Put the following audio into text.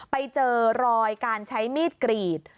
ไปเจอรอยการใช้มีดกรีด